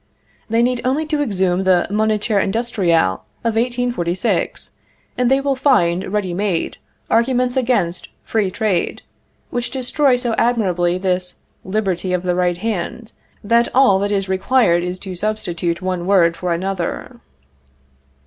They need only to exhume the Moniteur Industriel of 1846, and they will find, ready made, arguments against free trade, which destroy so admirably this liberty of the right hand, that all that is required is to substitute one word for another.